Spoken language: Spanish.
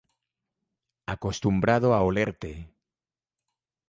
Acostumbrado a olerte